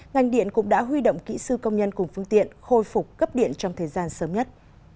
ngành điện cũng đã huy động kỹ sư công nhân cùng phương tiện khôi phục cấp điện trong thời gian sớm nhất